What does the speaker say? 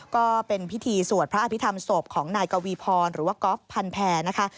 ก็เป็นพิธีสวดพระอภิษฐรรมศพของนายกวีพรหรือว่าก๊อฟพันแพรนะคะ